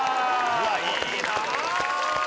うわいいな！